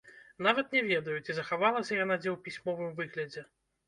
Нават не ведаю, ці захавалася яна дзе ў пісьмовым выглядзе.